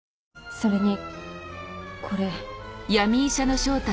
それにこれ。